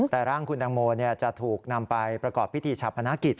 แต่ร่างคุณตังโมจะถูกนำไปประกอบพิธีชาพนักกิจ